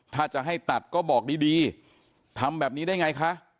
ถ้าจะให้ตัดก็บอกดีทำแบบนี้ได้ไงคะ